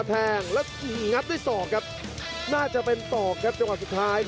และยังด้วยซ้ายแยกก็โดนอยู่ครับ